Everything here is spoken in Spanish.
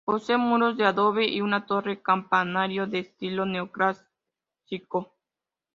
Posee muros de adobe y una torre campanario de estilo neoclásico.